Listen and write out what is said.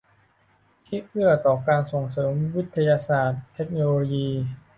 ที่เอื้อต่อการส่งเสริมวิทยาศาสตร์เทคโนโลยี